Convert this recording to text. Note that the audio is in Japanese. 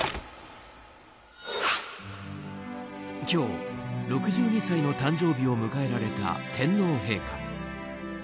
今日、６２歳の誕生日を迎えられた天皇陛下。